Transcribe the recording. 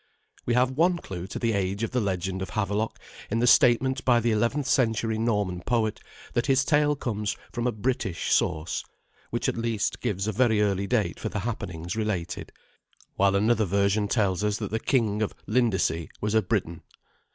We have one clue to the age of the legend of Havelok in the statement by the eleventh century Norman poet that his tale comes from a British source, which at least gives a very early date for the happenings related; while another version tells us that the king of "Lindesie" was a Briton.